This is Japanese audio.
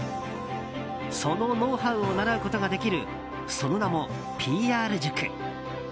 そのノウハウを習うことができるその名もＰＲ塾。